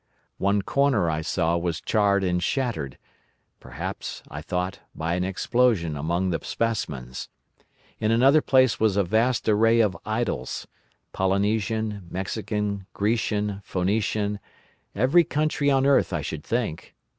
One corner I saw was charred and shattered; perhaps, I thought, by an explosion among the specimens. In another place was a vast array of idols—Polynesian, Mexican, Grecian, Phœnician, every country on earth, I should think.